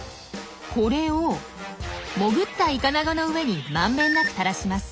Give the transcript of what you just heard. これを潜ったイカナゴの上にまんべんなくたらします。